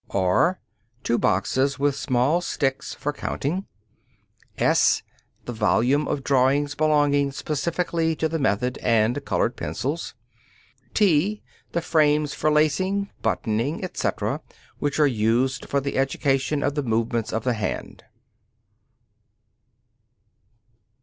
(r) Two boxes with small sticks for counting. (s) The volume of drawings belonging specially to the method, and colored pencils. (t) The frames for lacing, buttoning, etc., which are used for the education of the movements of the hand.